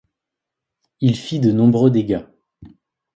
Il fit de nombreux dégâts.